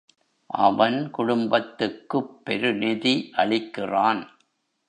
அவன் குடும்பத்துக்குப் பெரு நிதி அளிக்கிறான்.